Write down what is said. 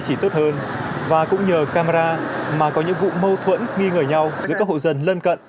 chỉ tốt hơn và cũng nhờ camera mà có những vụ mâu thuẫn nghi ngờ nhau giữa các hộ dân lân cận